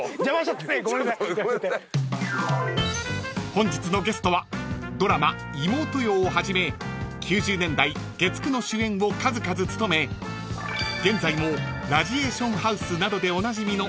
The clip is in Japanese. ［本日のゲストはドラマ『妹よ』をはじめ９０年代月９の主演を数々務め現在も『ラジエーションハウス』などでおなじみの］